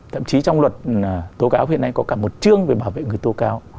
thậm chí trong luật tố cáo hiện nay có cả một chương về bảo vệ người tố cáo